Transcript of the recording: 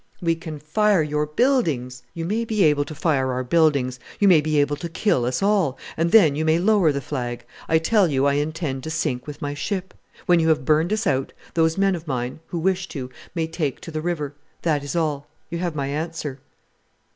"We can fire your buildings " "You may be able to fire our buildings; you may be able to kill us all; and then you may lower the flag. I tell you I intend to sink with my ship. When you have burned us out, those men of mine who wish to may take to the river. That is all. You have my answer."